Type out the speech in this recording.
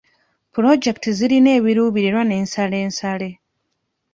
Pulojekiti zirina ebirubirirwa ne ssalessale.